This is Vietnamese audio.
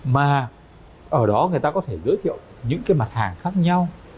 mà ở đó người ta có thể giới thiệu những cái mặt hàng khác nhau